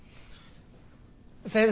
先生。